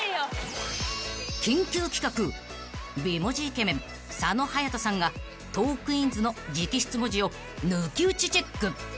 イケメン佐野勇斗さんがトークィーンズの直筆文字を抜き打ちチェック］